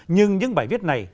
nhưng những bài viết này